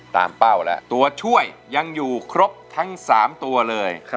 เป้าแล้วตัวช่วยยังอยู่ครบทั้ง๓ตัวเลย